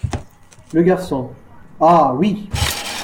Le Garçon. — Ah ! oui.